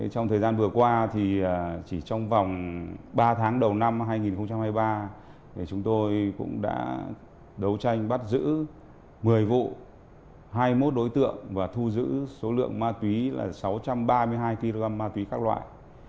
trong thời gian vừa qua chỉ trong vòng ba tháng đầu năm hai nghìn hai mươi ba chúng tôi cũng đã đấu tranh bắt giữ một mươi vụ hai mươi một đối tượng và thu giữ số lượng ma túy là sáu trăm ba mươi hai kg ma túy các loại